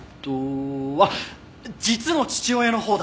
あっ実の父親のほうだ！